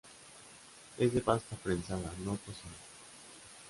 Es de pasta prensada no cocida.